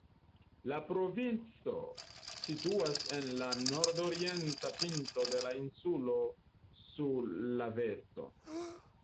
La provinco situas en la nordorienta pinto de la insulo Sulaveso.